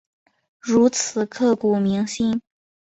如此刻骨铭心